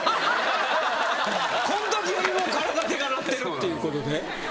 このときよりも体でかなってるっていうことで？